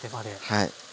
はい。